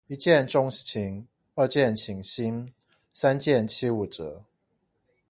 一見鐘情，二見傾心，三件七五折